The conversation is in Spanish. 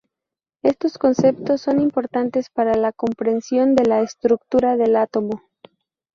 Estos conceptos son importantes para la comprensión de la estructura del átomo.